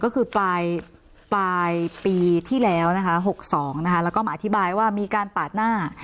ก็คือปลายปีที่แล้วนะคะ๖๒นะคะแล้วก็มาอธิบายว่ามีการปาดหน้า